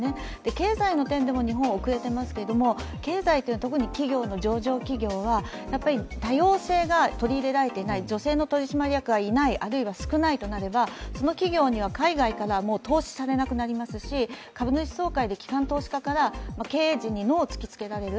経済の点でも日本は遅れていますけど経済というのは特に上場企業は多様性が取り入れられていない、女性の取締役がいない、あるいは少ないとなれば、その企業は海外から投資されなくなりますし、株主総会で機関投資家から経営陣にノーを突きつけられる。